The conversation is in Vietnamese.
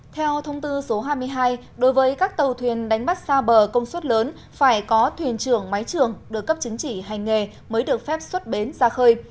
theo thông tư số hai mươi hai đối với các tàu thuyền đánh bắt xa bờ công suất lớn phải có thuyền trưởng máy trưởng được cấp chứng chỉ hành nghề mới được phép xuất bến ra khơi